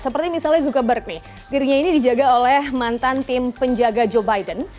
seperti misalnya zuckerberg nih dirinya ini dijaga oleh mantan tim penjaga joe biden